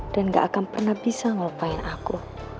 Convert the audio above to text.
dan ga akan pernah bisa ngelupain aku